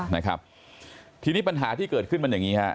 นะครับทีนี้ปัญหาที่เกิดขึ้นมันอย่างนี้ฮะ